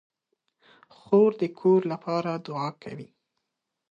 خور د کور لپاره دعا کوي.